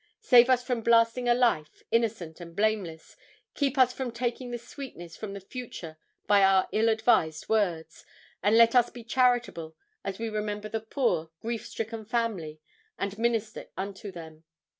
Save us from blasting a life, innocent and blameless; keep us from taking the sweetness from a future by our ill advised words, and let us be charitable as we remember the poor, grief stricken family and minister unto them."